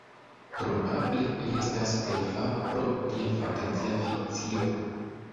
Probable li estas plej fama pro lia fantazia fikcio.